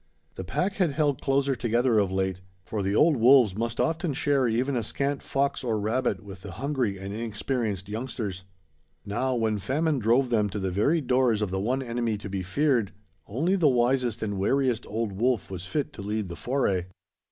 The pack had held closer together of late; for the old wolves must often share even a scant fox or rabbit with the hungry and inexperienced youngsters. Now, when famine drove them to the very doors of the one enemy to be feared, only the wisest and wariest old wolf was fit to lead the foray.